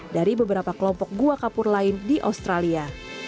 dari beberapa kelompok gua kapur lain di australia